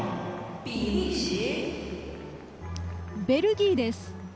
ベルギーです。